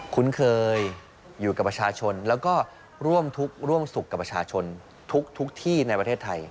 คุ้นเคยอยู่กับประชาชนแล้วก็ร่วมทุกข์ร่วมสุขกับประชาชนทุกที่ในประเทศไทย